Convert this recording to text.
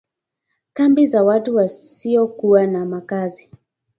kambi za watu wasiokuwa na makazi